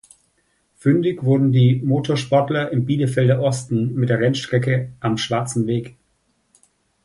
Fündig wurden die Motorsportler im Bielefelder Osten mit der Rennstrecke „Am schwarzen Weg“.